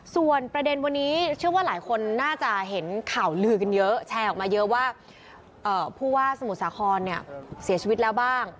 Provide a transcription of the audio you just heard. ส่วนประเด็นวันนี้เชื่อว่าหลายคนน่าจะเห็นข่าวลือกันเยอะแชร์ออกมาเยอะว่าผู้ว่าสมุทรสาครเนี่ยเสียชีวิตแล้วบ้าง